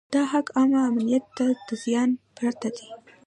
دا حق عامه امنیت ته د زیان پرته دی.